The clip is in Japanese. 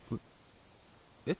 えっ？